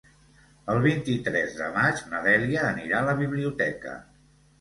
El vint-i-tres de maig na Dèlia anirà a la biblioteca.